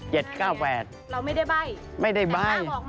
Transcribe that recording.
เราไม่ได้ใบ้